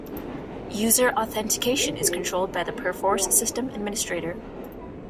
User authentication is controlled by the Perforce system administrator.